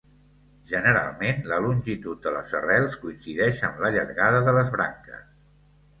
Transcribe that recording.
Generalment la longitud de les arrels coincideix amb la llargada de les branques.